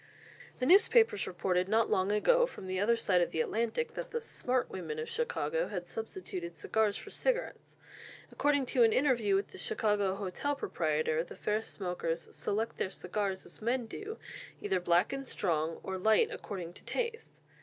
The newspapers reported not long ago from the other side of the Atlantic that the "smart" women of Chicago had substituted cigars for cigarettes. According to an interview with a Chicago hotel proprietor, the fair smokers "select their cigars as men do, either black and strong, or light, according to taste."